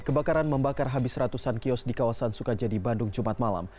kebakaran membakar habis ratusan kios di kawasan sukajadi bandung jumat malam